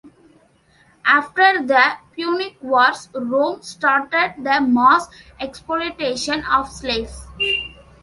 After the Punic wars, Rome started the mass exploitation of slaves.